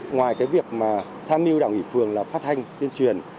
ngoài cái việc mà tham mưu đảo nghỉ phường là phát thanh tuyên truyền